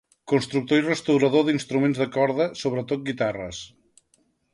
Constructor i restaurador d'instruments de corda, sobretot guitarres.